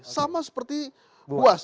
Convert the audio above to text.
sama seperti buas